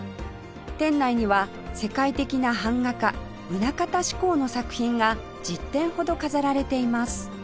店内には世界的な版画家棟方志功の作品が１０点ほど飾られています